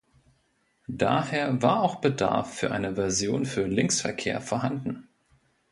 Daher war auch Bedarf für eine Version für Linksverkehr vorhanden.